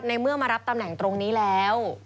เมื่อมารับตำแหน่งตรงนี้แล้ว